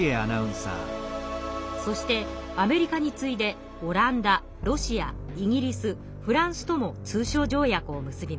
そしてアメリカに次いでオランダロシアイギリスフランスとも通商条約を結びます。